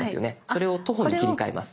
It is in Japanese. それを「徒歩」に切り替えます。